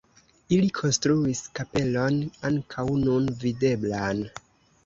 Ili konstruis kapelon ankaŭ nun videblan.